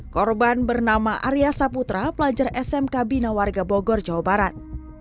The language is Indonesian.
korban bernama arya saputra pelajar smk bina warga bogor jawa barat